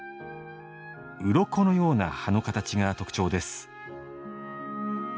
うろこのような葉の形が特徴です。